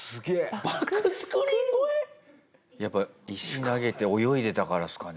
やっぱ石投げて泳いでたからですかね？